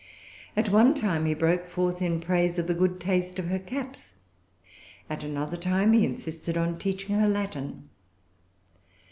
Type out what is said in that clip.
At one time, he broke forth in praise of the good taste of her caps. At another time he insisted on teaching her Latin.